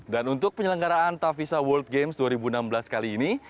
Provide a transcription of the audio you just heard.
dan untuk penyelenggaraan tavisa world games dua ribu enam belas kali ini